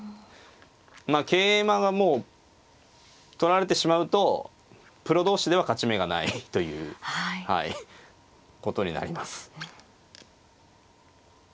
まあ桂馬がもう取られてしまうとプロ同士では勝ち目がないということになります。